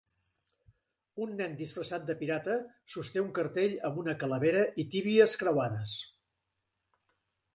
Un nen disfressat de pirata sosté un cartell amb una calavera i tíbies creuades.